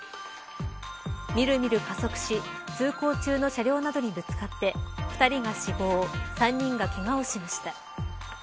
みるみる加速し通行中の車両などにぶつかって２人が死亡３人が、けがをしました。